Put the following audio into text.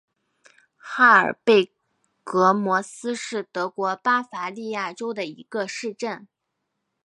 哈尔贝格莫斯是德国巴伐利亚州的一个市镇。